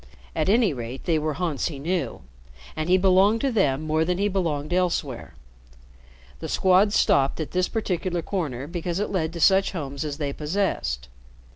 At any rate, they were haunts he knew, and he belonged to them more than he belonged elsewhere. The Squad stopped at this particular corner because it led to such homes as they possessed.